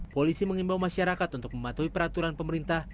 polisi mengimbau masyarakat untuk mematuhi peraturan pemerintah